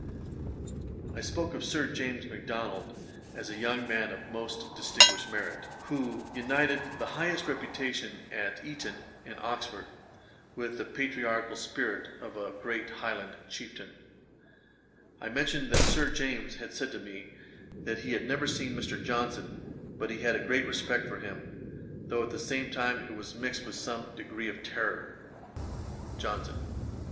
] I spoke of Sir James Macdonald as a young man of most distinguished merit, who united the highest reputation at Eaton and Oxford, with the patriarchal spirit of a great Highland Chieftain. I mentioned that Sir James had said to me, that he had never seen Mr. Johnson, but he had a great respect for him, though at the same time it was mixed with some degree of terrour. JOHNSON.